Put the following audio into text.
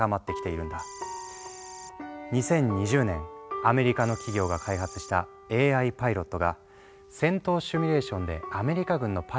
２０２０年アメリカの企業が開発したＡＩパイロットが戦闘シミュレーションでアメリカ軍のパイロットと対決。